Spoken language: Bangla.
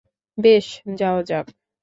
বেশ, যাওয়া যাক।